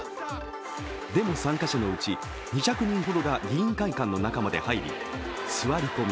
デモ参加者のうち２００人ほどが議員会館の中にまで入り座り込み